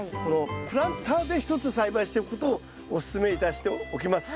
プランターで一つ栽培しておくことをおすすめいたしておきます。